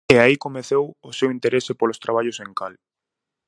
E aí comezou o seu interese polos traballos en cal.